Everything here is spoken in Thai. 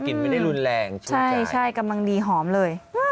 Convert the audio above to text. กลิ่นมันได้รุนแรงชื่ออาจารย์ใช่ใช่กำลังดีหอมเลย